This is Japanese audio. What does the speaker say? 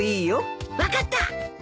分かった！